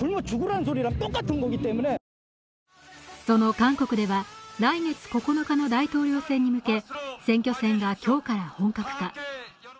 その韓国では来月９日の大統領選に向け、選挙戦が今日から本格化。